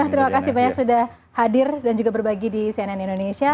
terima kasih banyak sudah hadir dan juga berbagi di cnn indonesia